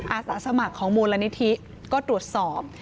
อาสาสมัครของมูลนิธิก็ตรวจสอบ